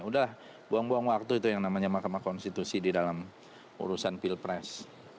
udah buang buang waktu itu yang namanya mahkamah konstitusi di dalam urusan pilpres